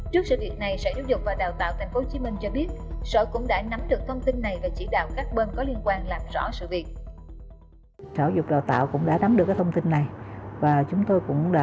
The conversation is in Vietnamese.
trước sự việc này sở giáo dục và đào tạo tp hcm